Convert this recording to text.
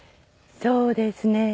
そうですね。